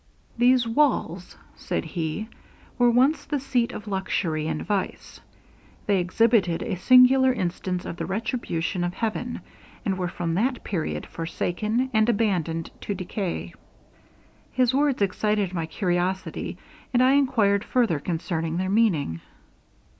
'These walls,' said he, 'were once the seat of luxury and vice. They exhibited a singular instance of the retribution of Heaven, and were from that period forsaken, and abandoned to decay.' His words excited my curiosity, and I enquired further concerning their meaning.